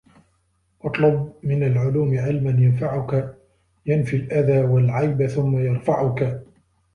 اطلب من العلوم علماً ينفعك ينفي الأذى والعيب ثم يرفعك